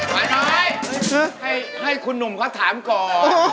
ป้าน้อยให้คุณหนุ่มเขาถามก่อน